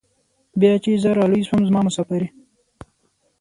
بيا چې زه رالوى سوم زما مسافرۍ.